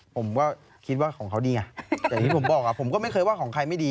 ผมก็คิดว่าของเขาดีไงแต่ที่ผมบอกผมก็ไม่เคยว่าของใครไม่ดี